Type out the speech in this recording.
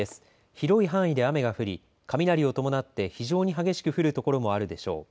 広い範囲で雨が降り、雷を伴って非常に激しく降る所もあるでしょう。